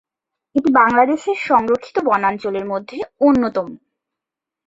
এটি বাংলাদেশের সংরক্ষিত বনাঞ্চলের মধ্যে অন্যতম।